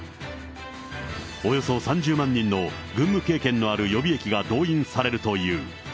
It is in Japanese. およそ３０万人の軍務経験のある予備役が動員されるという。